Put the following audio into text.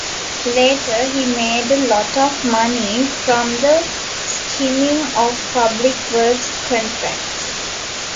Later, he made a lot of money from the skimming of public works contracts.